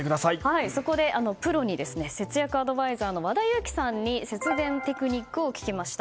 そこでプロに節約アドバイザーの和田由貴さんに節電テクニックを聞きました。